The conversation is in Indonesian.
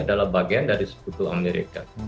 adalah bagian dari sekutu amerika